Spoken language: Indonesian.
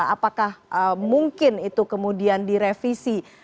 apakah mungkin itu kemudian direvisi